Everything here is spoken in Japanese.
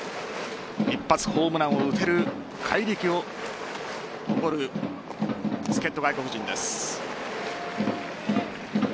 一発ホームランを打てる怪力を誇る助っ人外国人です。